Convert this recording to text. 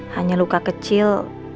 hanya luka kecil